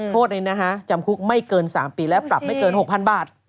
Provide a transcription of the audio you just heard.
โทษนี้นะฮะจำคุกไม่เกิน๓ปีและปรับไม่เกิน๖๐๐๐บาท